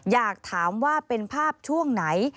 อยากถามว่าเป็นภาพช่วงไหน